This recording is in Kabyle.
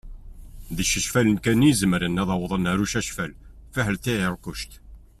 D icacfalen kan i izemren ad awḍen ar ucacfal, fiḥel tiεiṛkuct.